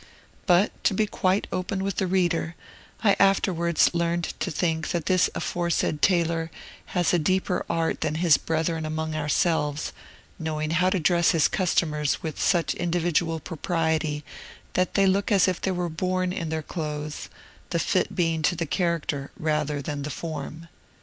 But, to be quite open with the reader, I afterwards learned to think that this aforesaid tailor has a deeper art than his brethren among ourselves, knowing how to dress his customers with such individual propriety that they look as if they were born in their clothes, the fit being to the character rather than the form.